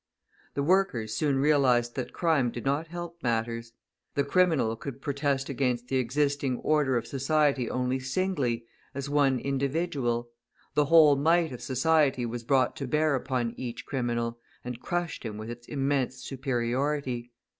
The workers soon realised that crime did not help matters. The criminal could protest against the existing order of society only singly, as one individual; the whole might of society was brought to bear upon each criminal, and crushed him with its immense superiority.